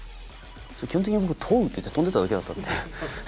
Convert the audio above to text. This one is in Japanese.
基本的に僕「トォ！」って言って跳んでただけだったんで。